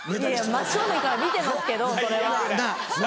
真正面から見てますけどそれは。